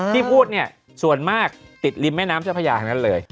ที่พูดเนี่ยส่วนมากติดริมแม่น้ำเจ้าพระยาทั้งนั้นเลย